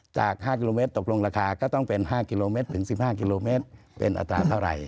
จาก๕กิโลเมตรตกลงราคาก็ต้องเป็น๕กิโลเมตรถึง๑๕กิโลเมตรเป็นอัตราเท่าไหร่